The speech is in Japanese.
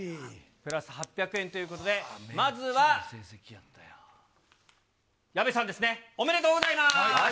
プラス８００円ということで、まずは矢部さんですね、おめでとうございます！